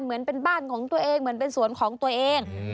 เหมือนเป็นบ้านของตัวเองเหมือนเป็นสวนของตัวเอง